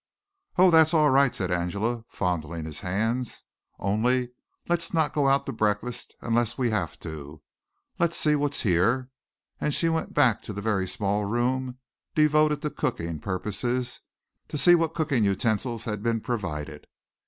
"Oh, that's all right," said Angela, fondling his hands, "only let's not go out to breakfast unless we have to. Let's see what's here," and she went back to the very small room devoted to cooking purposes to see what cooking utensils had been provided.